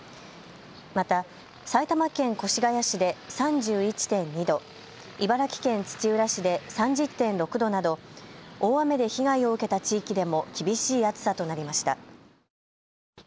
また埼玉県越谷市で３１．２度、茨城県土浦市で３０．６度など大雨で被害を受けた地域でも厳しい暑さとなりました。